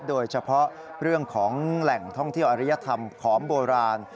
โดยเฉพาะเรื่องของแหล่งท่องเที่ยวอริยธรรมขอมโบราณ